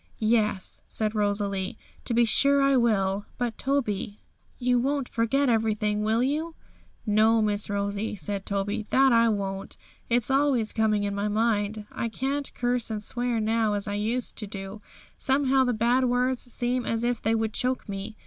'Yes,' said Rosalie, 'to be sure I will; but, Toby, you won't forget everything, will you?' 'No, Miss Rosie,' said Toby, 'that I won't! It's always coming in my mind; I can't curse and swear now as I used to do; somehow the bad words seem as if they would choke me.